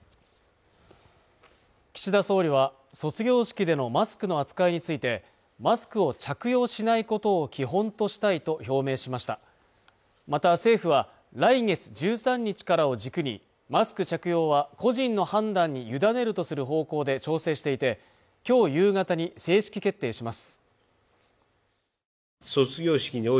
岸田総理は卒業式でのマスクの扱いについてマスクを着用しないことを基本としたいと表明しましたまた政府は来月１３日からを軸にマスク着用は個人の判断に委ねるとする方向で調整していてきょう夕方に正式決定します